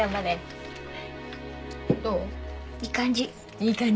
いい感じ。